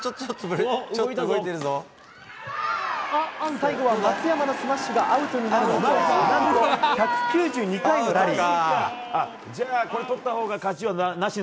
最後は松山のスマッシュがアウトになるも何と、１９２回のラリー。